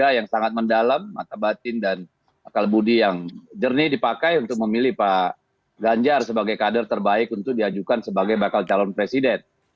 dan juga yang sangat mendalam mata batin dan akal budi yang jernih dipakai untuk memilih pak ganjar sebagai kader terbaik untuk diajukan sebagai bakal calon presiden